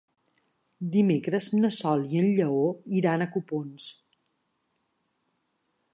Dimecres na Sol i en Lleó iran a Copons.